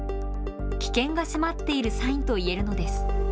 危険が迫っているサインといえるのです。